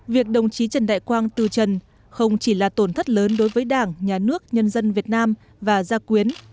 việc đồng chí trần đại quang từ trần không chỉ là tổn thất lớn đối với đảng nhà nước nhân dân việt nam và gia quyến